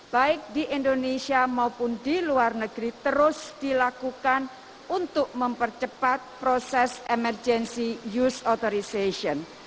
baik di indonesia maupun di luar negeri terus dilakukan untuk mempercepat proses emergency use authorization